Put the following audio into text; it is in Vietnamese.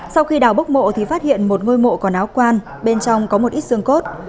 sau khi đào bốc mộ thì phát hiện một ngôi mộ còn áo quan bên trong có một ít xương cốt